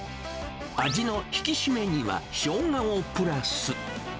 味の引き締めには、ショウガをプラス。